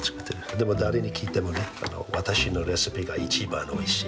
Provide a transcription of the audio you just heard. でも誰に聞いても「私のレシピが一番おいしい」。